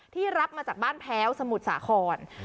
ที่รับมาจากบ้านแพ้วสมุทรสาขอน